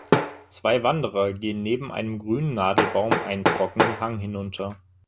Zwei Wanderer gehen neben einem grünen Nadelbaum einen trockenen Hang hinunter.